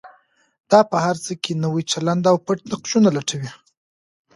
دا په هر څه کې نوی چلند او پټ نقشونه لټوي.